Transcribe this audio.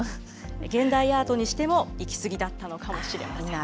現代アートにしても、いきすぎだったのかもしれませんね。